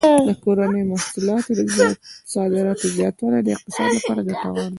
د کورنیو محصولاتو د صادراتو زیاتوالی د اقتصاد لپاره ګټور دی.